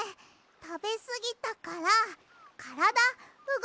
たべすぎたからからだうごかさない？